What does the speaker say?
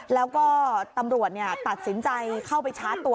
แล้วก็ตำรวจตัดสินใจเข้าไปชาร์จตัว